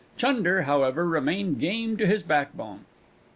Chunder, however, remained game to his backbone.